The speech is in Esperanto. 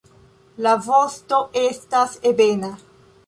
La vosto estas ebena.